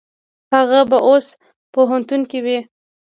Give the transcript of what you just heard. هغه به اوس پوهنتون کې وي.